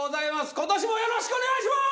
今年もよろしくお願いします！！